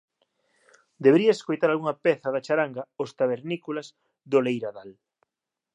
Deberías escoitar algunha peza da charanga Os Tabernícolas do Leiradal